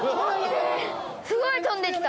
すごい飛んできた。